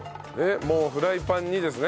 もうフライパンにですね。